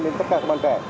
với tất cả các bạn trẻ